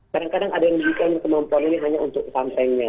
kadang kadang ada yang memberikan kemampuan ini hanya untuk somethingnya